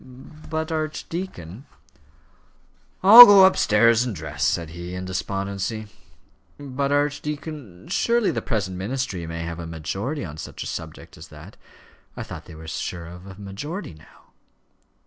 "But, archdeacon " "I'll go upstairs and dress," said he, in despondency. "But, archdeacon, surely the present ministry may have a majority on such a subject as that; I thought they were sure of a majority now."